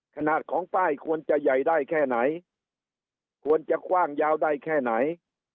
ขนาดของป้ายควรจะใหญ่ได้แค่ไหนควรจะคว่างยาวได้แค่ไหน